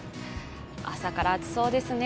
朝から暑そうですね。